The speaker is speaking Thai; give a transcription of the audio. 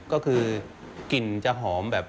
ก็คือกลิ่นจะหอมแบบ